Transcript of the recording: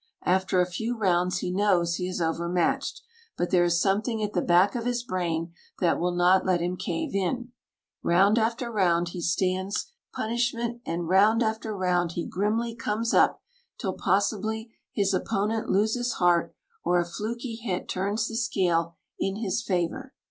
After a few rounds he knows he is overmatched, but there is something at the back of his brain that will not let him cave in. Round after round he stands punishment, and round after round he grimly comes up, till, possibly, his opponent loses heart, or a fluky hit turns the scale in his favour.